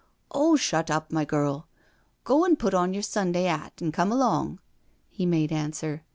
" Oh, shut up, my girl. Go an' put on your Sunday 'at an' come along," he made answer.